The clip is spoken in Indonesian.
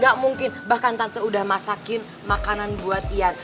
gak mungkin bahkan tante udah masakin makanan buat ian